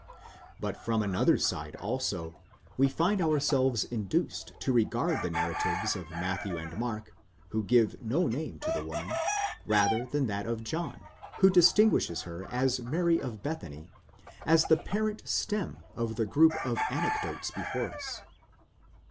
But from another side also we find ourselves induced to regard the narratives of Matthew and Mark, who give no name to the woman, rather than that of John, who distinguishes her as Mary of Bethany, as.the parent stem of the group of anecdotes before us.